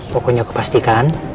pokoknya gue pastikan